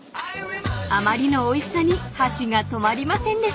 ［あまりのおいしさに箸が止まりませんでした］